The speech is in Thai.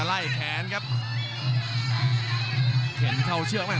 และอัพพิวัตรสอสมนึก